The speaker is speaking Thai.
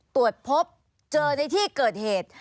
ตรวจพบเจอในที่เกิดเหตุ